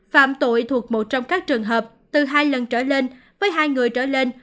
phạm tội thuộc một trong các trường hợp từ hai lần trở lên với hai người trở lên